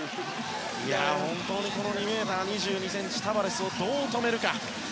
本当に２ｍ２１ｃｍのタバレスをどう止めるか。